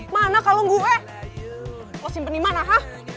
mana kalung gue lo simpen di mana hah